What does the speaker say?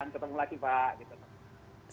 ketemu lagi pak